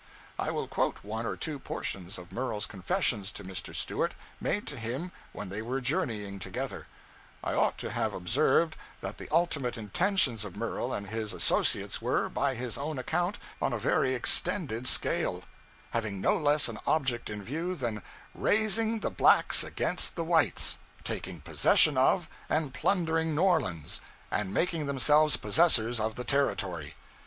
I will quote one or two portions of Murel's confessions to Mr. Stewart, made to him when they were journeying together. I ought to have observed, that the ultimate intentions of Murel and his associates were, by his own account, on a very extended scale; having no less an object in view than _raising the blacks against the whites, taking possession of, and plundering new orleans, and making themselves possessors of the territory_.